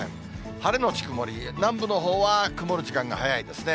晴れ後曇り、南部のほうは曇る時間が早いですね。